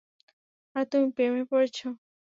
আর তুমি প্রেমে পড়েছ।